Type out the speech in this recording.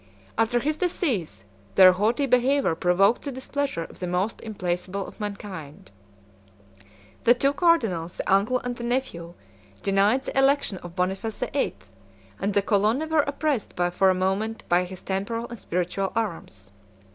101 After his decease their haughty behavior provoked the displeasure of the most implacable of mankind. The two cardinals, the uncle and the nephew, denied the election of Boniface the Eighth; and the Colonna were oppressed for a moment by his temporal and spiritual arms.